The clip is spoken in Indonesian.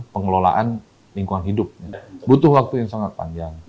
pengelolaan lingkungan hidup butuh waktu yang sangat panjang